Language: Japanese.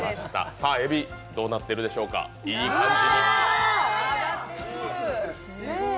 さあ、えび、どうなってるでしょうか、いい感じ。